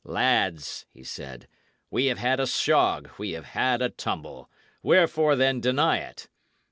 "Lads," he said, "we have had a shog, we have had a tumble; wherefore, then, deny it?